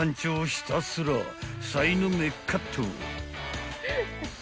ひたすらさいの目カット］